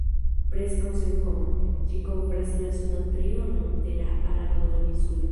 Preskaŭ senhoma, ĝi kovras la sudan trionon de la Araba duoninsulo.